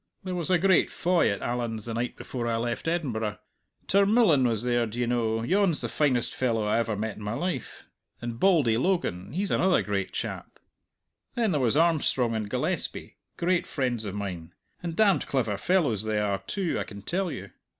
There was a great foy at Allan's the night before I left Edinburgh. Tarmillan was there d'ye know, yon's the finest fellow I ever met in my life! and Bauldy Logan he's another great chap. Then there was Armstrong and Gillespie great friends of mine, and damned clever fellows they are, too, I can tell you.